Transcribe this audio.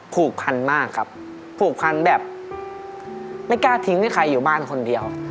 ผูกพันมากครับผูกพันแบบไม่กล้าทิ้งให้ใครอยู่บ้านคนเดียว